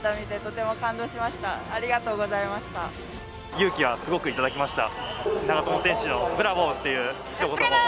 勇気はすごくいただきました。